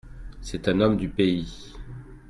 C'est un homme du pays.